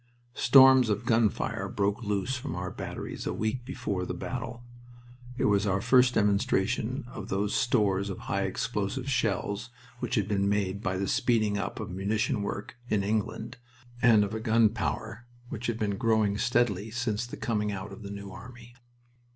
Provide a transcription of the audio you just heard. Storms of gun fire broke loose from our batteries a week before the battle. It was our first demonstration of those stores of high explosive shells which had been made by the speeding up of munition work in England, and of a gun power which had been growing steadily since the coming out of the New Army.